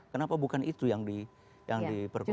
kenapa bukan itu yang diperlukan